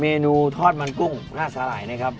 เมนูทอดมันกุ้งหน้าสาหร่ายนะครับ